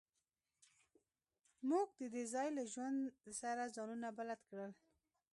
موږ د دې ځای له ژوند سره ځانونه بلد کړل